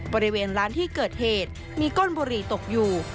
บริเวณร้านที่เกิดเหตุมีก้นบุหรี่ตกอยู่